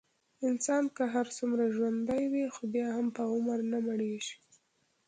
انسان که هرڅومره ژوندی وي، خو بیا هم په عمر نه مړېږي.